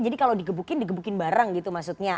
jadi kalau digebukin digebukin bareng gitu maksudnya